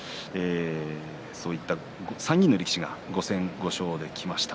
そういった３人の力士が５戦５勝できました。